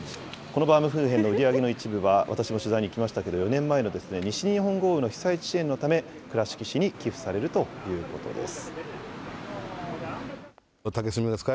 このバウムクーヘンの売り上げの一部は、私も取材に行きましたけれども、４年前の西日本豪雨の被災地支援のため、倉敷市に寄付されるということです。